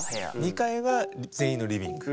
２階が全員のリビング。